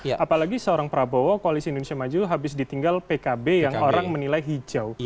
apalagi seorang prabowo koalisi indonesia maju habis ditinggal pkb yang orang menilai hijau